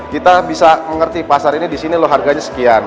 kita bisa mengerti pasar ini di sini loh harganya sekian